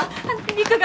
陸が！